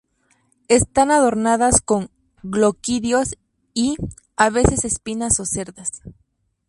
Están adornadas con gloquidios y, a veces espinas o cerdas.